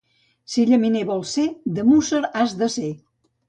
Si llaminer vols ser, de Músser has de ser.